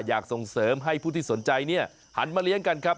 ส่งเสริมให้ผู้ที่สนใจเนี่ยหันมาเลี้ยงกันครับ